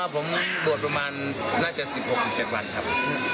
ผมบวชประมาณน่าจะ๑๖๑๗วันครับ